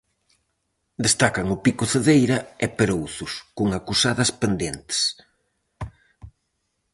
Destacan o pico Cedeira e Perouzos, con acusadas pendentes.